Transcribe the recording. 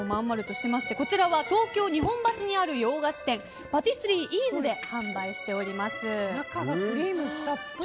東京・日本橋にある洋菓子店パティスリーイーズで販売しております。